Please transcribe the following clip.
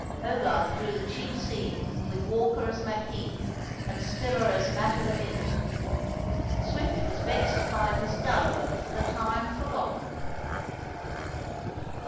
Hogarth drew the chief scene with Walker as Macheath, and Spiller as Mat o' the Mint. Swift was vexed to find his Gulliver for the time forgotten.